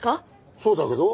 そうだけど？